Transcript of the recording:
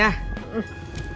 makasih ya kang